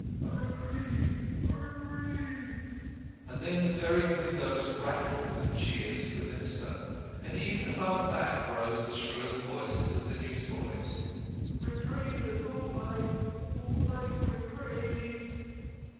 "A Reprieve! A Reprieve!" And then the very windows rattled with cheers for the Minister. And even above that roar rose the shrill voices of the newsboys, "Reprieve of Mortlake! Mortlake Reprieved!"